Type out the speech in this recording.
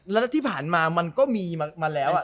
แล้วที่ผ่านมามันก็มีมาแล้ว